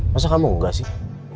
masa kamu enggak sih